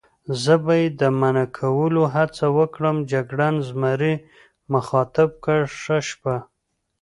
زه به یې د منع کولو هڅه وکړم، جګړن زمري مخاطب کړ: ښه شپه.